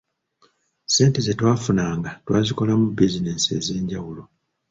Ssente ze twafunanga twazikolamu bizinensi ez’enjawulo.